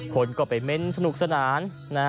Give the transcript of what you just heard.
คนก็ไปเม้นสนุกสนาน